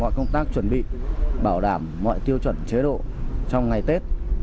và công tác chuẩn bị bảo đảm mọi tiêu chuẩn chế độ trong ngày tết